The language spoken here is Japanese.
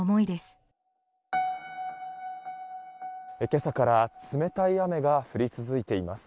今朝から冷たい雨が降り続いています。